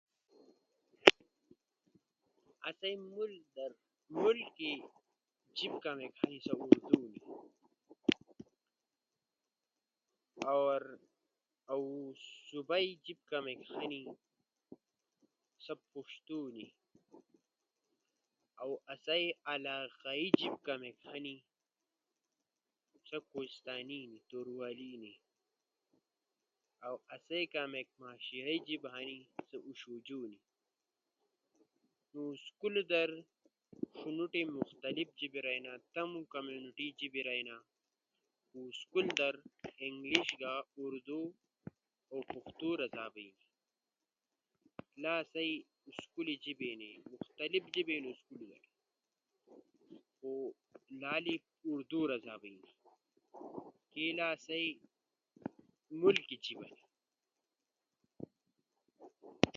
آسئی ملک دربڑی جیب کامیک ہنی سا اردو ہنی۔ اؤ صوبائی جیب کامیک ہنی سا پشتو ہنی۔ اؤ آسئی علاقائی جیب کامیک ہنی سا کوہستانی ہنی، توروالی ہنی، اؤ آسئی کامیک معاشرہ ئی جیب ہنی سا اوݜوجو ہنی۔ نو اسکولی در شینوٹی مختلف جیبو در رئینا، تمو کمیونٹی در اوݜوجو رئینا۔ کو اسکول در انگلش گا، اردو اؤ پشتو رزا بینو۔ لا آسئی اسکولے جیبے ہنی، مختلف جیبے اینو اسکول بئی۔ خو لالی اردو رزا بئینا۔ سی لا آسئی ملک جیب ہنی۔